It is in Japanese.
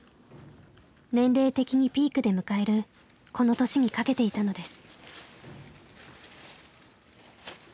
年齢的にピークで迎えるこの年にかけていたのです。